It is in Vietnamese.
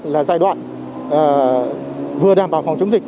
là giai đoạn vừa đảm bảo phòng chống dịch